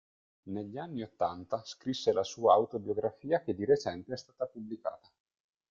Negli anni Ottanta scrisse la sua autobiografia che di recente è stata pubblicata.